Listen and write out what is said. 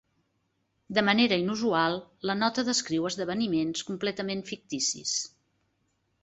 De manera inusual, la nota descriu esdeveniments completament ficticis.